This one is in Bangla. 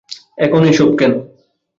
এখন এসব কেন!